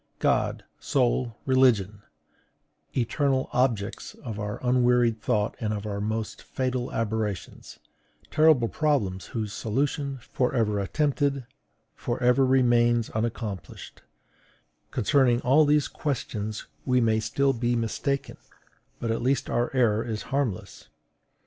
God, soul, religion, eternal objects of our unwearied thought and our most fatal aberrations, terrible problems whose solution, for ever attempted, for ever remains unaccomplished, concerning all these questions we may still be mistaken, but at least our error is harmless.